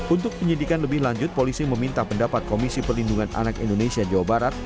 untuk penyidikan lebih lanjut polisi meminta pendapat komisi perlindungan anak indonesia jawa barat